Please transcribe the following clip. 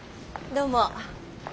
どうも。